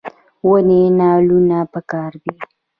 ونې نالول پکار دي